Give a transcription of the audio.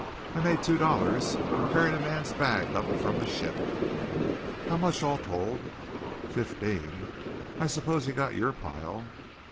I made two dollars carrying a man's bag up from the ship." "How much all told?" "Fifteen. I suppose you've got your pile."